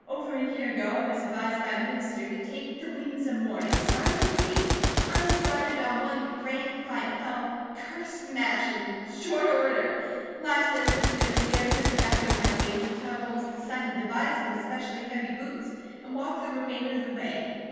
"Over a year ago I was advised by a minister to 'take the wings of morning' so I took wing. I started on one grand flight and fell ker smash in short order. Life since has been a series of battering my wings until I have almost decided to buy some especially heavy boots, and walk the remainder of the way.